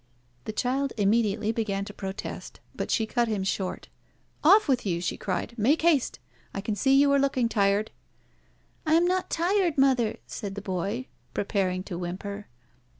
The child immediately began to protest; but she cut him short. "Off with you," she cried. "Make haste. I can see you are looking tired." "I am not tired, mother," said the boy, preparing to whimper.